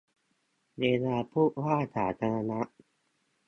เวลาพูดว่า 'สาธารณะ'